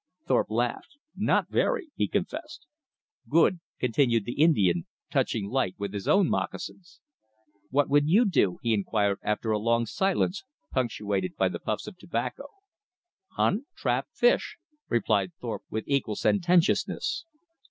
Thorpe laughed. "Not very," he confessed. "Good," continued the Indian, touching lightly his own moccasins. "What you do?" he inquired after a long silence, punctuated by the puffs of tobacco. "Hunt; trap; fish," replied Thorpe with equal sententiousness.